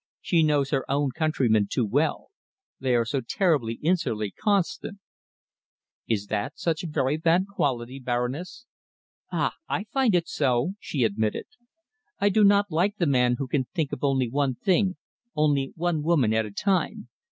She knows her own countrymen too well. They are so terribly insularly constant." "Is that such a very bad quality, Baroness?" "Ah! I find it so," she admitted. "I do not like the man who can think of only one thing, only one woman at a time.